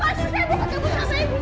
siapa tuh yang bikin win